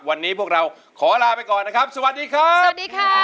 วันนี้พวกเราขอลาไปก่อนนะครับสวัสดีครับ